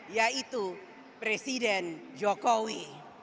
yaitu presiden jokowi